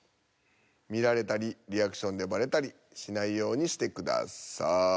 見られたりリアクションでばれたりしないようにしてください。